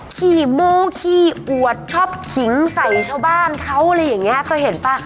ขี่มูขี้อวดชอบขิงใส่ชาวบ้านเขาอะไรอย่างเงี้ยก็เห็นป่ะ